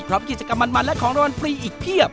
พร้อมกิจกรรมมันและของรวมฟรีอีกเพียบ